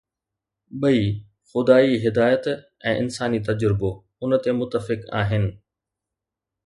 ٻئي خدائي هدايت ۽ انساني تجربو ان تي متفق آهن.